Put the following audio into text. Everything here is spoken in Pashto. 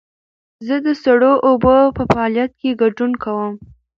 زه د سړو اوبو په فعالیت کې ګډون کوم.